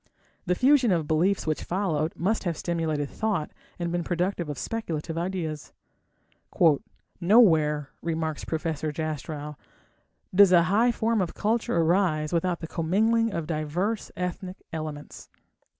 The fusion of beliefs which followed must have stimulated thought and been productive of speculative ideas. "Nowhere", remarks Professor Jastrow, "does a high form of culture arise without the commingling of diverse ethnic elements."